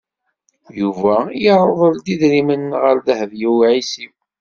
Yuba irḍel-d idrimen ɣer Dehbiya u Ɛisiw.